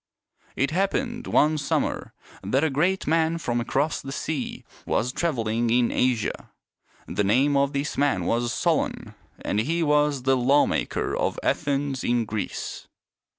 It happened one summer that a great man from across the sea was traveling in Asia. The name of this man was Solon, and he was the lawmaker of Athens in Greece.